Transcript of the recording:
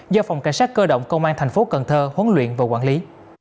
do phòng cảnh sát cơ động công an thành phố cần thơ huấn luyện và quản lý